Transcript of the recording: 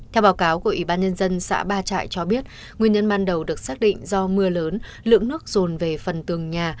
theo báo cáo của ủy ban nhân dân xã ba trại cho biết nguyên nhân ban đầu được xác định do mưa lớn lượng nước rồn về phần tường nhà